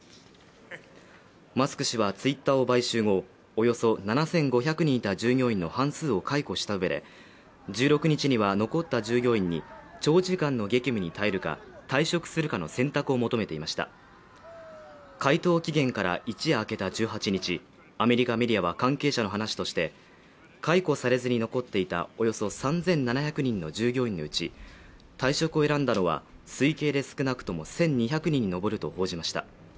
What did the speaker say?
マスク氏はツイッターを買収後およそ７５００人いた従業員の半数を解雇した上で１６日には残った従業員に長時間の激務に耐えるか退職するかの選択を求めていました回答期限から一夜明けた１８日アメリカメディアは関係者の話として解雇されずに残っていたおよそ３７００人の従業員のうち退職を選んだのは推計で少なくとも１２００人に上ると報じました